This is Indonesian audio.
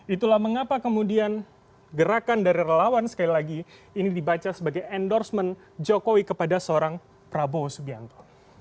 itulah mengapa kemudian gerakan dari relawan sekali lagi ini dibaca sebagai endorsement jokowi kepada seorang prabowo subianto